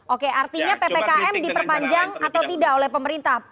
oke artinya ppkm diperpanjang atau tidak oleh pemerintah